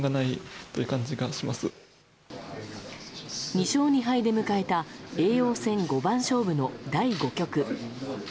２勝２敗で迎えた叡王戦五番勝負の第５局。